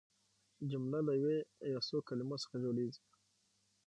جمله له یوې یا څو کلیمو څخه جوړیږي.